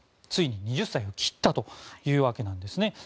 ついに２０歳を切ったというわけなんですね。